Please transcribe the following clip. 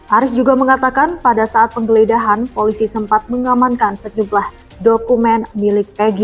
aris juga mengatakan pada saat penggeledahan polisi sempat mengamankan sejumlah dokumen milik pg